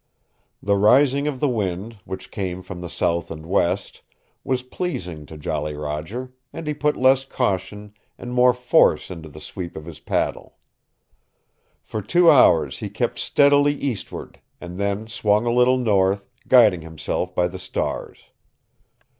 The rising of the wind, which came from the south and west, was pleasing to Jolly Roger, and he put less caution and more force into the sweep of his paddle. For two hours he kept steadily eastward, and then swung a little north, guiding himself by the stars.